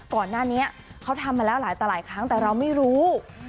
ก่อนหน้านี้เขาทำมาแล้วหลายต่อหลายครั้งแต่เราไม่รู้